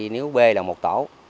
nếu b là một tổ